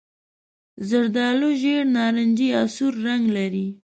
زردالو ژېړ نارنجي یا سور رنګ لري.